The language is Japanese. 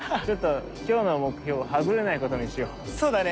ちょっと今日の目標は「はぐれない事」にしよう。